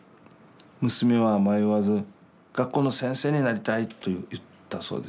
娘は迷わず「学校の先生になりたい」と言ったそうです。